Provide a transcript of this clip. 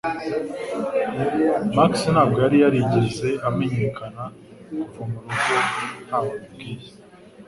Max ntabwo yari yarigeze amenyekana kuva murugo ntawe abibwiye